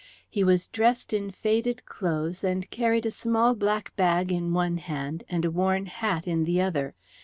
He was dressed in faded clothes and carried a small black bag in one hand and a worn hat in the other.